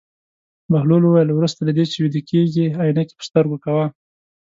بهلول وویل: وروسته له دې چې ویده کېږې عینکې په سترګو کوه.